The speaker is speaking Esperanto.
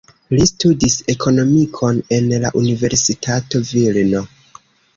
Li studis ekonomikon en la Universitato Vilno.